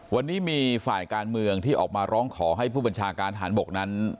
วันนี้มีฝ่ายการเมืองที่ออกมาร้องขอให้ผู้บัญชาการทหารบกนั้น